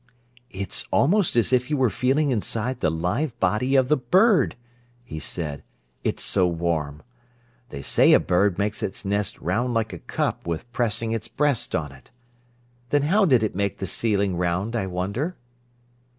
"It's almost as if you were feeling inside the live body of the bird," he said, "it's so warm. They say a bird makes its nest round like a cup with pressing its breast on it. Then how did it make the ceiling round, I wonder?"